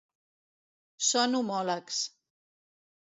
són homòlegs.